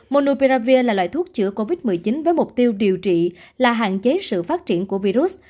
monoperavir là loại thuốc chữa covid một mươi chín với mục tiêu điều trị là hạn chế sự phát triển của virus